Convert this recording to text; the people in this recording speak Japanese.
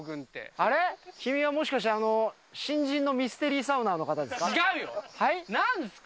あれっ、君はもしかしてあの、新人のミステリーサウナーの方ですか？